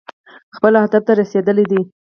خپل هدف ته رسېدلي دي.